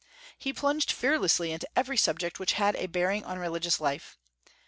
He plunged fearlessly into every subject which had a bearing on religious life.